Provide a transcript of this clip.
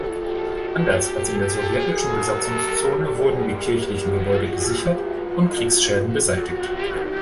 Anders als in der sowjetischen Besatzungszone wurden die kirchlichen Gebäude gesichert und Kriegsschäden beseitigt.